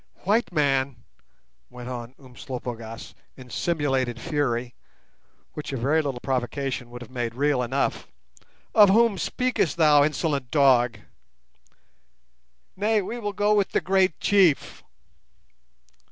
"White man!" went on Umslopogaas, in simulated fury, which a very little provocation would have made real enough; "of whom speakest thou, insolent dog?" "Nay, we will go with the great chief."